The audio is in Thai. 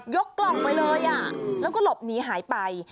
กล่องไปเลยแล้วก็หลบหนีหายไป